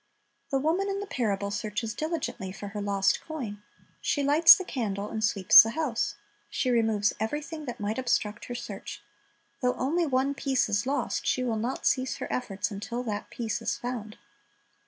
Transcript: The woman in the parable searches diligently for her lost coin. She lights the candle and sweeps the house. She removes everything that might obstruct her search. Though only one piece is lost, she will not cease her efforts until that piece is found.